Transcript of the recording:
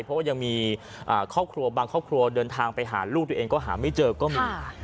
เพราะว่ายังมีครอบครัวบางครอบครัวเดินทางไปหาลูกตัวเองก็หาไม่เจอก็มี